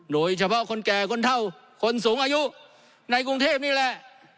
โดยเฉพาะคนแก่คนเท่าคนสูงอายุในกรุงเทพนี่แหละ